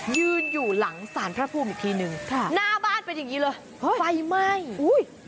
ยืนอยู่หลังสารพระภูมิอีกทีหนึ่งค่ะหน้าบ้านเป็นอย่างงี้เลยเฮ้ยไฟไหม้อุ้ย